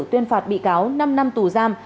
tuyên phạt bị cáo năm năm tù giam